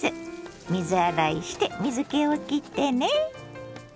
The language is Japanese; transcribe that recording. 水洗いして水けをきってね。